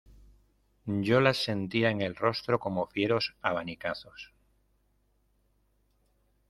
yo las sentía en el rostro como fieros abanicazos.